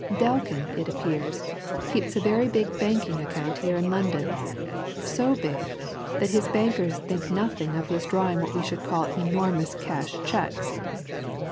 Delkin, it appears, keeps a very big banking account here in London so big, that his bankers think nothing of his drawing what we should call enormous cash cheques.